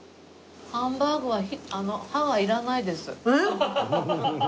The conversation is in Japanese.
ハンバーグは歯がいらないです。